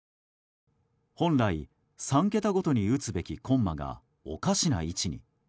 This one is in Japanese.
本来３桁ごとに打つべきコンマがおかしな位置に。